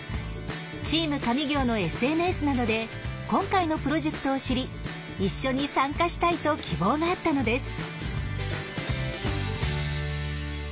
「チーム上京！」のＳＮＳなどで今回のプロジェクトを知り一緒に参加したいと希望があったのです。